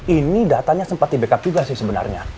ini datanya sempat di backup juga sih sebenarnya